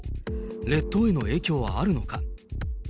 列島への影響はあるのか。